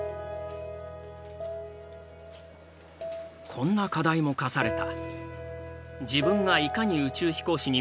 こんな課題も課された。